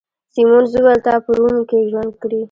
سیمونز وویل: تا په روم کي ژوند کړی؟